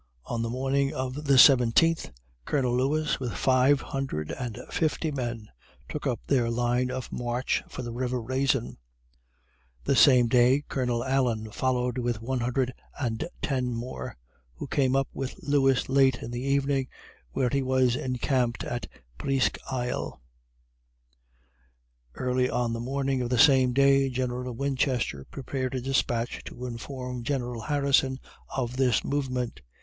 On the morning of the seventeenth, Colonel Lewis, with five hundred and fifty men, took up their line of march for the "river Raisin." The same day Colonel Allen followed with one hundred and ten more, who came up with Lewis late in the evening, where he was encamped at Presque Isle, Early on the morning of the same day General Winchester prepared a despatch to inform General Harrison of this movement.